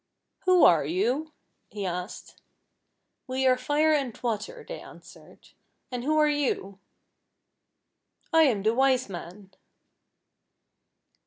" Who are you ?" he asked. " We are Fire and Water," they answered. " And who are you .''"" I am the Wise Man."